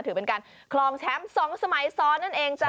ถือเป็นการคลองแชมป์๒สมัยซ้อนนั่นเองจ้ะ